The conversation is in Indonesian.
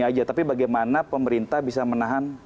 aja tapi bagaimana pemerintah bisa menahan